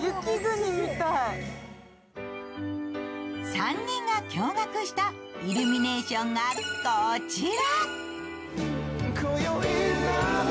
３人が驚がくしたイルミネーションがこちら。